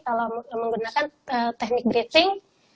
kalau menggunakan teknik breathing